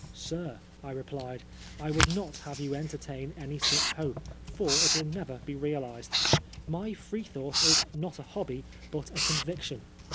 " Sir,*' I replied, " I would not have you en tertain any such hope, for it will never be realised. My Preethought is not a hobby, but a conviction.